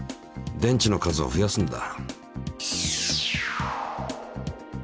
電池の数を増やすんだ。